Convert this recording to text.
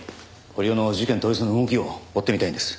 堀尾の事件当日の動きを追ってみたいんです。